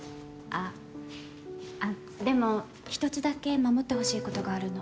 あっでも一つだけ守ってほしいことがあるの